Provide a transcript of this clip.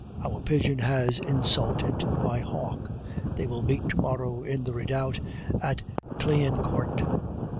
Our pigeon has insulted my hawk. They will meet to morrow in the redoubt at Clignancourt.